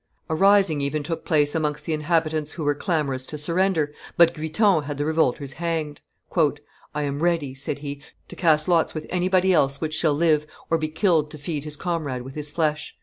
A rising even took place amongst the inhabitants who were clamorous to surrender, but Guiton had the revolters hanged. "I am ready," said he, "to cast lots with anybody else which shall live or be killed to feed his comrade with his flesh.